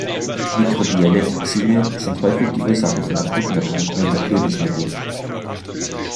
Mikrobielle Toxine sind häufig die Ursache von akuten Erkrankungen durch Lebensmittel.